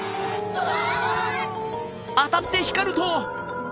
うわ！